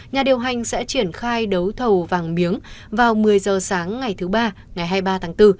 nhà điều hành sẽ triển khai đấu thầu vàng miếng vào một mươi giờ sáng ngày thứ ba ngày hai mươi ba tháng bốn